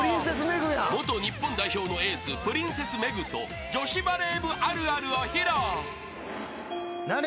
［元日本代表のエースプリンセス・メグと女子バレー部あるあるを披露］ねえ。